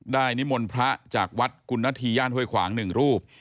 นิมนต์พระจากวัดกุณฑีย่านห้วยขวาง๑รูป